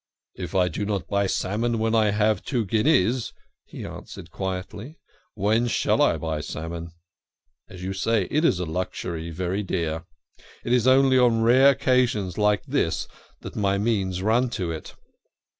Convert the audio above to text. " If I do not buy salmon when I have two guineas," he answered quietly, " when shall I buy salmon ? As you say, it is a luxury ; very dear. It is only on rare occasions like this that my means run to it."